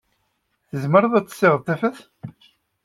Tzemreḍ ad tessiɣet tafat?